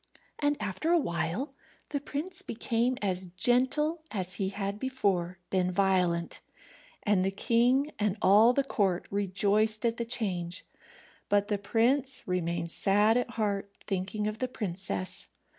And after a while the prince became as gentle as he had before been violent. And the king and all the court rejoiced at the change; but the prince remained sad at heart, thinking of the princess.